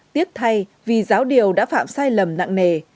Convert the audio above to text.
tiết thay vì giáo điều đã phạm sai lầm nặng nề